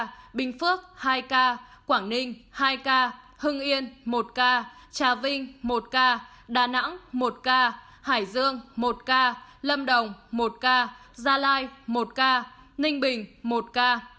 ca bình phước hai ca quảng ninh hai ca hưng yên một ca trà vinh một ca đà nẵng một ca hải dương một ca lâm đồng một ca gia lai một ca ninh bình một ca